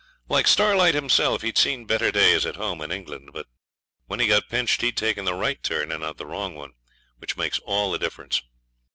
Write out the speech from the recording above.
Like Starlight himself, he'd seen better days at home in England; but when he got pinched he'd taken the right turn and not the wrong one, which makes all the difference.